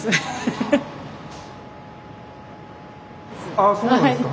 あそうなんですか。